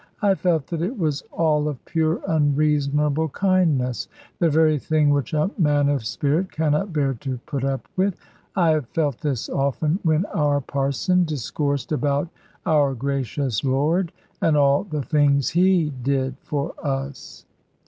I felt that it was all of pure unreasonable kindness; the very thing which a man of spirit cannot bear to put up with. I have felt this often, when our Parson discoursed about our gracious Lord, and all the things He did for us.